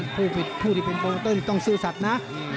ผู้ที่เป็นโปรโมเตอร์ต้องซื่อสัตว์นะ